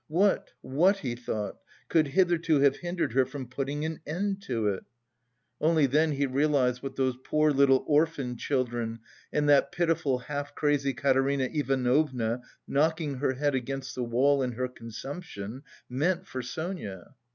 "What, what," he thought, "could hitherto have hindered her from putting an end to it?" Only then he realised what those poor little orphan children and that pitiful half crazy Katerina Ivanovna, knocking her head against the wall in her consumption, meant for Sonia.